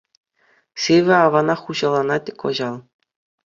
Сивӗ аванах хуҫаланать кӑҫал.